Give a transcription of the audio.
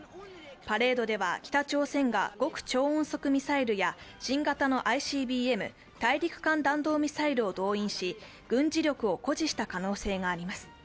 パレードでは北朝鮮が極超音速ミサイルや新型のＩＣＢＭ＝大陸間弾道ミサイルを動員し軍事力を誇示した可能性があります。